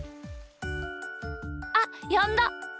あっやんだ。